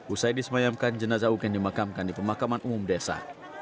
usai disemayamkan jenazah uken dimakamkan di pemakaman umum desa